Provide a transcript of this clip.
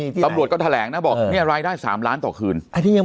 ตำรวจก็แถลงนะบอกเนี่ยรายได้๓ล้านต่อคืน